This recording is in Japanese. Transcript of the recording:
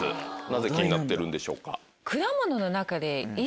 なぜ気になってるんでしょうか？